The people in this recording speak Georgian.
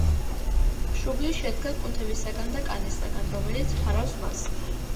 შუბლი შედგება კუნთებისაგან და კანისაგან, რომელიც ფარავს მას.